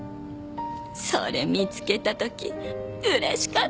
それ見つけた時嬉しかった！